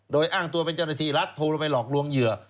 โดยอ้างตัวเป็นเจ้าหน้าที่รัฐโทรไปหลอกลวงเหยื่อ